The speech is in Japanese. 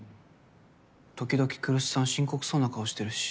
時々来栖さん深刻そうな顔してるし。